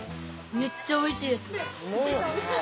めっちゃおいしいです！